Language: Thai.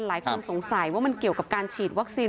หลายคนสงสัยว่ามันเกี่ยวกับการฉีดวัคซีน